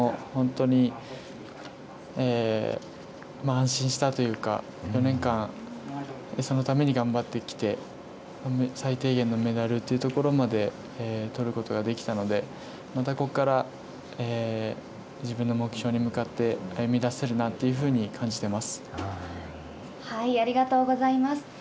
本当に安心したというか、４年間、そのために頑張ってきて、最低限のメダルというところまでとることができたので、またここから自分の目標に向かって歩み出せるなというふうに感じありがとうございます。